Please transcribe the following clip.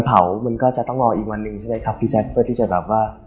มันก็จะต้องรออีกวันหนึ่งใช่ไหมครับพี่แจ๊คเพื่อที่จะแบบว่า